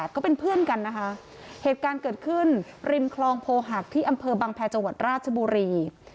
เกิดขึ้นริมคลองโพหักที่อำเภอบังแพจวัตรราชบุรี